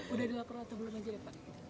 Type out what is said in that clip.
udah dilaporan atau belum aja ya pak